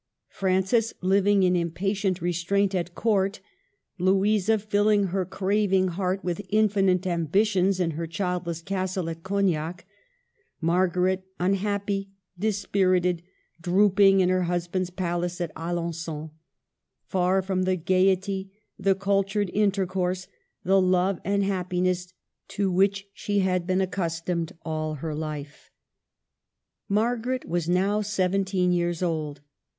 Francis, living in impatient restraint at court; Louisa, filling her craving heart with infinite ambitions in her childless castle at Cognac ; Margaret, unhappy, dispirited, drooping in her husband's palace at Alengon, far from the gayety, the cul tured interco^urse, the love and happiness to which she had been accustomed all her life. 26 Af.lRGARET OF ANG0UL1>ME. Margaret was now seventeen years old.